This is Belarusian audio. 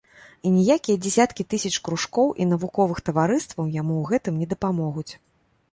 І ніякія дзясяткі тысяч кружкоў і навуковых таварыстваў яму ў гэтым не дапамогуць.